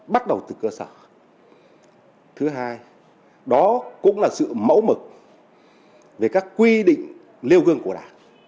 bắt đầu từ cơ sở thứ hai đó cũng là sự mẫu mực về các quy định nêu gương của đảng